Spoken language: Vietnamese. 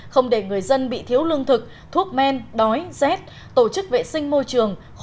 không để người dân bị thiếu lương thực thuốc men đói rét tổ chức vệ sinh môi trường